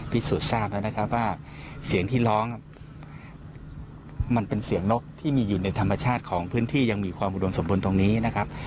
พิสูจน์ทราบแล้วนะครับว่าเสียงที่ร้องมันเป็นเสียงนกที่มีอยู่ในธรรมชาติของพื้นที่ยังมีความอุดมสมบูรณ์ตรงนี้นะครับ